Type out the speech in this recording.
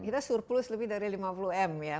kita surplus lebih dari rp lima puluh ya